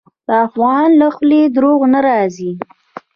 د افغان له خولې دروغ نه راځي.